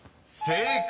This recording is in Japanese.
［正解！